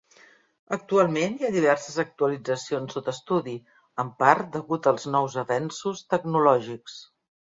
Actualment hi ha diverses actualitzacions sota estudi, en part degut als nous avenços tecnològics.